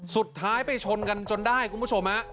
สุดท้ายไปชนกันจนได้คุณผู้ชมฮะ